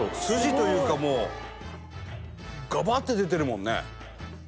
スジというかもうガバッて出てるもんね。